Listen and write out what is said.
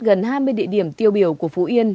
gần hai mươi địa điểm tiêu biểu của phú yên